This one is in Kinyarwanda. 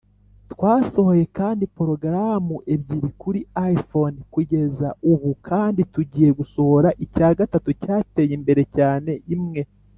twasohoye kandi porogaramu ebyiri kuri iphone kugeza ubu kandi tugiye gusohora icya gatatu, cyateye imbere cyane, imwe.